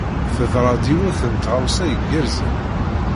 Teḍra-d yiwet n tɣawsa igerrzen.